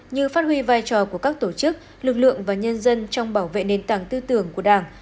như phát huy vai trò của các tổ chức lực lượng và nhân dân trong bảo vệ nền tảng tư tưởng của đảng